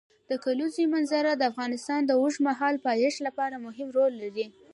د کلیزو منظره د افغانستان د اوږدمهاله پایښت لپاره مهم رول لري.